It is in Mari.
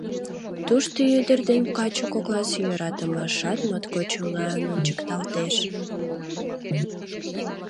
Тушто ӱдыр ден каче кокласе йӧратымашат моткоч оҥайын ончыкталтеш.